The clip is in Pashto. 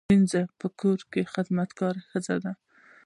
مینځه په کور کې خدمتګاره ښځه ده